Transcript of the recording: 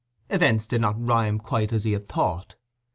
Events did not rhyme quite as he had thought.